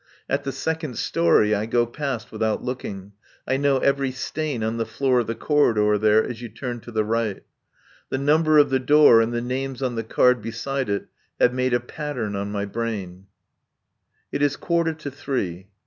At the second story I go past without looking. I know every stain on the floor of the corridor there as you turn to the right. The number of the door and the names on the card beside it have made a pattern on my brain. It is quarter to three.